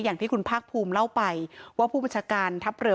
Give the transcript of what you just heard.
อย่างที่คุณภาคภูมิเล่าไปว่าผู้บัญชาการทัพเรือ